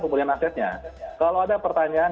pemulihan asetnya kalau ada pertanyaan